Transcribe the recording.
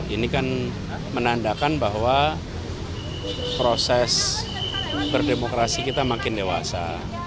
ini kan menandakan bahwa proses berdemokrasi kita makin dewasa